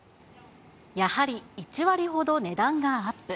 やはり１割ほど値段がアップ。